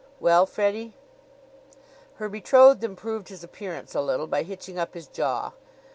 "Well, Freddie?" Her betrothed improved his appearance a little by hitching up his jaw.